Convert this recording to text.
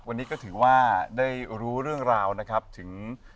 วันนี้ก็ถือว่าได้รู้เรื่องราวนะครับถึง